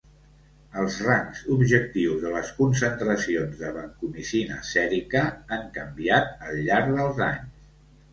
Els rangs objectius de les concentracions de vancomicina sèrica han canviat al llarg dels anys.